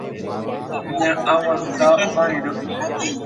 ña'aguantava'erã